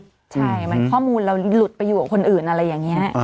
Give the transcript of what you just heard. ใช่มันข้อมูลเราหลุดไปอยู่กับคนอื่นอะไรอย่างนี้